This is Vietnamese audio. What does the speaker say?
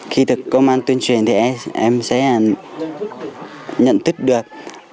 khi được công an tuyên truyền thì em sẽ nhận thức được